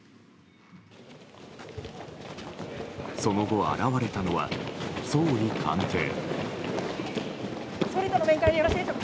その後、現れたのは総理官邸。